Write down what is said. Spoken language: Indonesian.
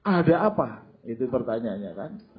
ada apa itu pertanyaannya kan